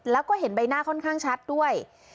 แล้วก็เห็นใบหน้าค่อนข้างชัดด้วย